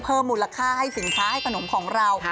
เพิ่มมูลค่าให้สินค้าให้ขนมของเรา